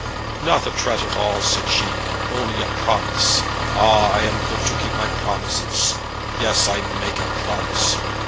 "Not a tret at all," said she; "only a promise. Ah, I am good to keep my promises! Yes, I make a promise.